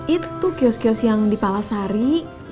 itu kios kios yang dipalasari